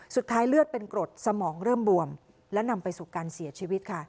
เลือดเป็นกรดสมองเริ่มบวมและนำไปสู่การเสียชีวิตค่ะ